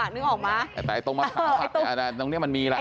นึกออกไหมแต่ตรงมันเขาตรงนี้มันมีละ